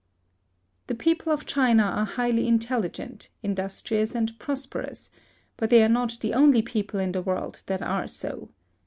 The people of China are highly intelligent, industrious, and prosperous; but they are not the only people in the World that are so.